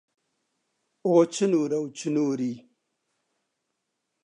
ئۆ چنوورە و چنووری